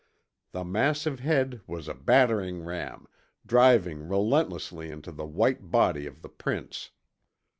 The massive head was a battering ram, driving relentlessly into the white body of the prince.